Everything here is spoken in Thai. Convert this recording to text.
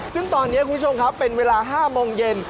ซึ่งตอนนี้คุณผู้ชมครับเป็นเวลา๕โมงเย็น